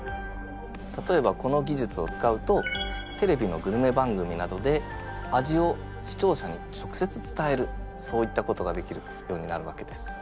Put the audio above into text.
例えばこの技術を使うとテレビのグルメ番組などで味を視聴者に直接伝えるそういったことができるようになるわけです。